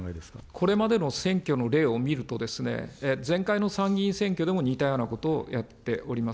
これまでの選挙の例を見ると、前回の参議院選挙でも似たようなことをやっております。